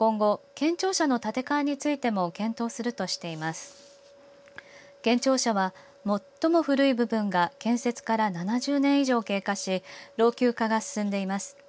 県庁舎は最も古い部分が建設から７０年以上経過し老朽化が進んでいます。